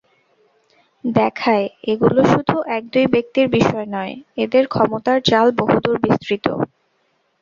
দেখায়, এগুলো শুধু এক-দুই ব্যক্তির বিষয় নয়, এদের ক্ষমতার জাল বহুদূর বিস্তৃত।